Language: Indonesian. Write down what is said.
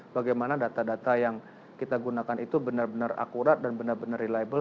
bagaimana data data yang kita gunakan itu benar benar akurat dan benar benar reliable